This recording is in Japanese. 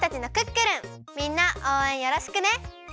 みんなおうえんよろしくね！